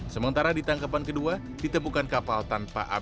sementara di tangkapan kedua ditemukan kapal yang berhasil kabur